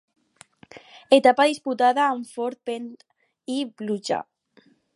Etapa disputada amb fort vent i pluja.